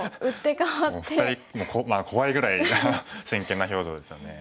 もう２人怖いぐらいな真剣な表情ですよね。